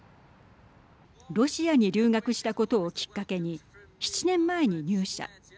ロシアに留学したことをきっかけに７年前に入社。